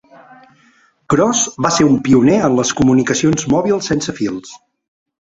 Gross va ser un pioner en les comunicacions mòbils sense fils.